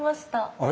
あれ？